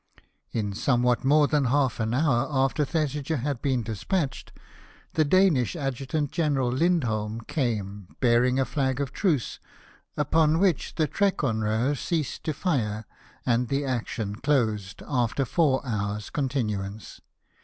In somewhat more than half an hour after Thesiger had been despatched the Danish Adjutant General Lindholm came, bearing a flag of truce, upon which the Trekroner ceased to fire, and the action closed, after four hours' continuance.